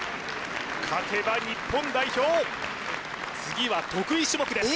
勝てば日本代表次は得意種目です